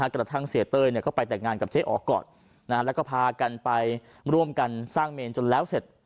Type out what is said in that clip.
กระทั่งเสียเต้ยก็ไปแต่งงานกับเจ๊อ๋อก่อนแล้วก็พากันไปร่วมกันสร้างเมนจนแล้วเสร็จ